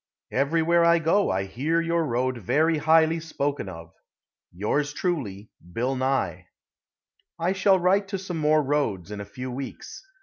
Everywhere I go I hear your road very highly spoken of. Yours truly, BILL NYE. I shall write to some more roads in a few weeks.